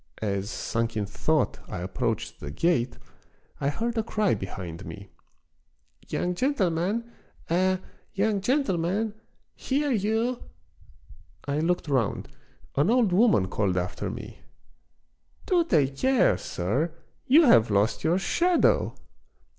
As, sunk in thought, I approached the gate I heard a cry behind me. "Young gentleman! eh! young gentleman! hear you !" I looked round. An old woman called after me :—" Do take care, sir, you have lost your shadow